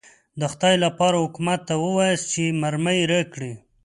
د خدای لپاره حکومت ته ووایاست چې مرمۍ راکړي.